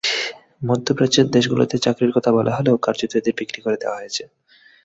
মধ্যপ্রাচ্যের দেশগুলোতে চাকরির কথা বলা হলেও কার্যত এঁদের বিক্রি করে দেওয়া হয়েছে।